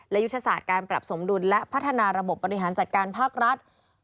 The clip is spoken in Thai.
และยุทธศาสตร์การปรับสมดุลและพัฒนาระบบบบริหารจัดการภาครัฐ